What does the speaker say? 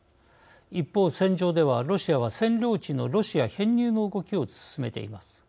一方、戦場ではロシアは占領地のロシア編入の動きを進めています。